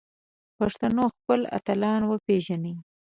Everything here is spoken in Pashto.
پښتنو خپل اتلان وپیژني